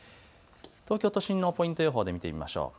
東京都心のポイント予報で見てみましょう。